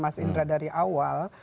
mas indra dari awal